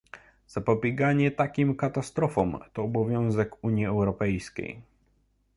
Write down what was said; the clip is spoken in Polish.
Zapobieganie takim katastrofom to obowiązek Unii Europejskiej